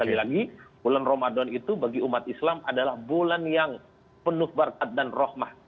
lagi lagi bulan ramadan itu bagi umat islam adalah bulan yang penuh berkat dan rahmah